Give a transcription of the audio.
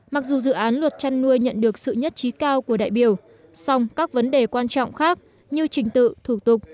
mặc dù dự án luật chăn nuôi nhận được sự nhất trí cao của đại biểu song các vấn đề quan trọng khác như trình tự thủ tục